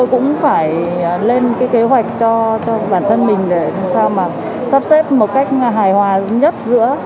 chúng tôi cũng phải lên kế hoạch cho bản thân mình để làm sao mà sắp xếp một cách hài hòa nhất